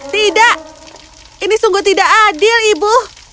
tidak ini sungguh tidak adil ibu